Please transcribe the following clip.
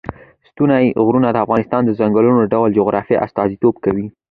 ستوني غرونه د افغانستان د ځانګړي ډول جغرافیه استازیتوب کوي.